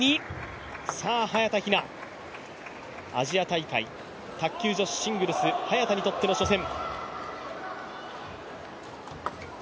さあ、早田ひな、アジア大会卓球女子シングルス早田にとっての初戦。